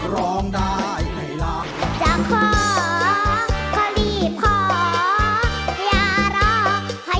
ร้องได้ไงล่ะ